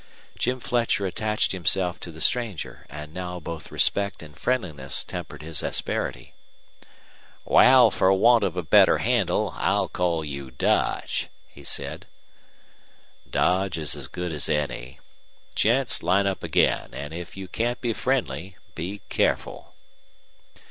Jim Fletcher attached himself to the stranger, and now both respect and friendliness tempered his asperity. "Wal, fer want of a better handle I'll call you Dodge," he said. "Dodge's as good as any.... Gents, line up again an' if you can't be friendly, be careful!"